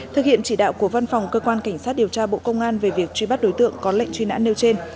thực hiện chỉ đạo của văn phòng cơ quan cảnh sát điều tra bộ công an về việc truy bắt đối tượng có lệnh truy nã nêu trên